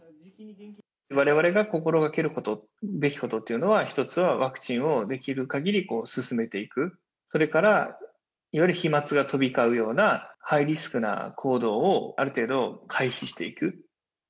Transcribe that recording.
われわれが心がけるべきことっていうのは、１つはワクチンをできるかぎり進めていく、それからより飛まつが飛び交うようなハイリスクな行動を、ある程度回避していく。